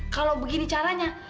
kalau begini caranya